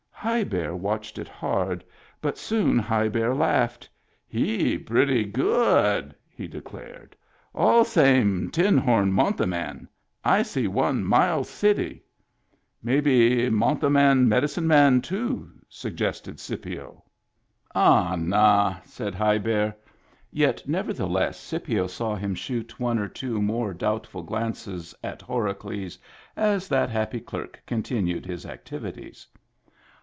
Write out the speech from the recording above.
High Bear watched it hard; but soon High Bear laughed. " He pretty good," he declared. " All same tin horn monte man. I see one Miles City." "Maybe monte man medicine man too," sug gested Scipio. Digitized by Google HAPPY TEETH SS " Ah, nah !" said High Bear. Yet nevertheless Scipio saw him shoot one or two more doubtful glances at Horacles as that happy clerk contin ued his activities.